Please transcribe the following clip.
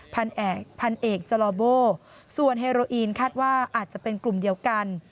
พันเอกจลอโบส่วนเฮโรอีนคาดว่าอาจจะเป็นกลุ่มเดียวกัน